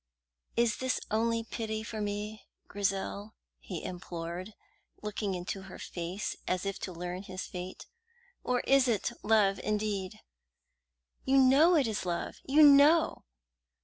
"Is this only pity for me, Grizel," he implored, looking into her face as if to learn his fate, "or is it love indeed?" "You know it is love you know!"